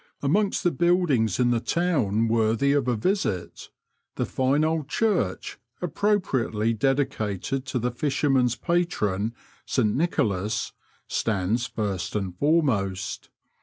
Amongst the buildings in the town worthy of a visit, the fine old church, appropriately dedicated to the fishermen's pation, St Nicholas, stands first and foremost.